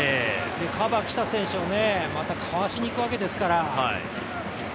カバーきた選手をまたかわしにいくわけですから。